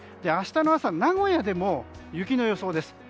明日の朝、名古屋でも雪の予想です。